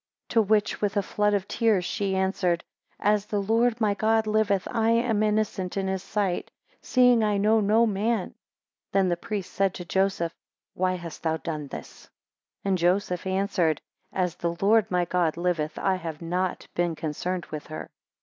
11 To which with a flood of tears she answered, As the Lord my God liveth, I am innocent in his sight, seeing I know no man. 12 Then the priest said to Joseph, Why hast thou done this? 13 And Joseph answered, As the Lord my God liveth, I have not been concerned with her.